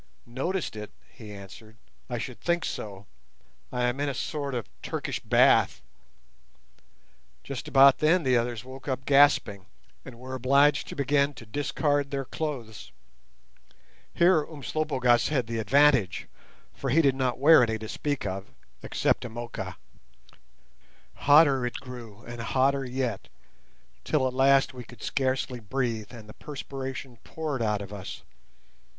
"Noticed it!" he answered; "I should think so. I am in a sort of Turkish bath." Just about then the others woke up gasping, and were obliged to begin to discard their clothes. Here Umslopogaas had the advantage, for he did not wear any to speak of, except a moocha. Hotter it grew, and hotter yet, till at last we could scarcely breathe, and the perspiration poured out of us.